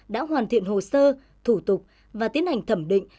đã hoàn thiện hồ sơ thủ tục và tiến hành thẩm định